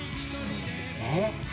えっ？